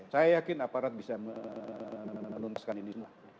saya yakin aparat bisa menuntaskan ini semua